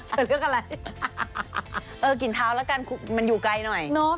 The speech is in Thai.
เป็นเรื่องอะไรเออกลิ่นเท้าแล้วกันมันอยู่ไกลหน่อยเนอะ